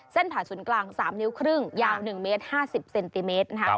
ผ่าศูนย์กลาง๓นิ้วครึ่งยาว๑เมตร๕๐เซนติเมตรนะครับ